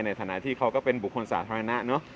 ในฐานะที่เขาก็เป็นบุคคลสาธารณะเนอะ